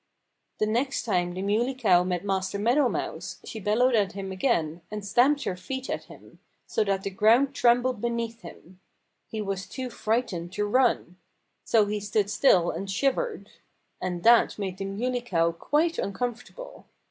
The next time the Muley Cow met Master Meadow Mouse she bellowed at him again and stamped her feet at him, so that the ground trembled beneath him. He was too frightened to run. So he stood still and shivered. And that made the Muley Cow quite uncomfortable.